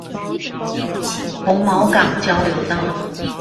紅毛港交流道